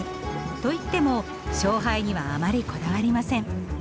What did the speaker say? といっても勝敗にはあまりこだわりません。